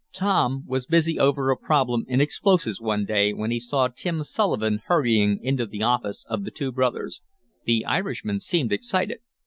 Tom was busy over a problem in explosives one day when he saw Tim Sullivan hurrying into the office of the two brothers. The Irishman seemed excited.